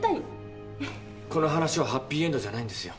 この話はハッピーエンドじゃないんですよ。